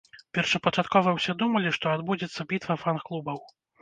Першапачаткова ўсе думалі, што адбудзецца бітва фан-клубаў.